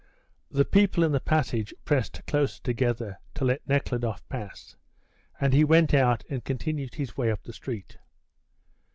The people in the passage pressed closer together to let Nekhludoff pass, and he went out and continued his way up the street.